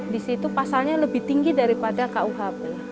di situ pasalnya lebih tinggi daripada kuhp